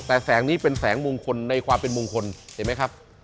แต่แสงนี้เป็นแสงมงคลในความเป็นมงคลเห็นไหมครับ